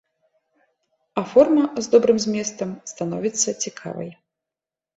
А форма з добрым зместам становіцца цікавай.